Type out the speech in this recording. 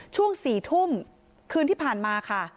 ช่วง๔ทุ่มคืนที่ผ่านมาค่ะ